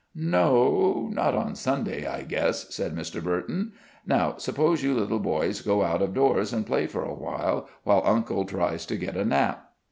"N no, not on Sunday, I guess," said Mr. Burton. "Now, suppose you little boys go out of doors and play for a while, while uncle tries to get a nap."